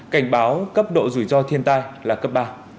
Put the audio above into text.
cảnh báo cấp độ rủi ro thiên tai là cấp ba